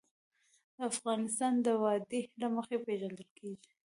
افغانستان د وادي له مخې پېژندل کېږي.